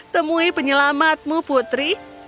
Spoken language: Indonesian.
temui penyelamatmu putri